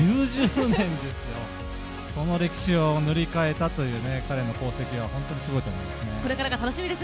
９０年ですよ、その歴史を塗り替えたという彼の功績は本当にすごいと思いますね。